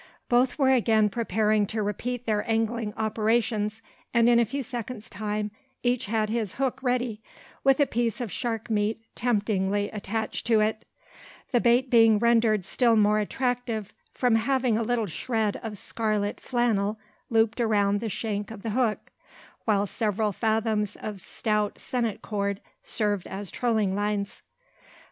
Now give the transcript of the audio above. Both were again preparing to repeat their angling operations; and in a few seconds' time each had his hook ready, with a piece of shark meat temptingly attached to it, the bait being rendered still more attractive from having a little shred of scarlet flannel looped around the shank of the hook, while several fathoms of stout sennit cord served as trolling lines.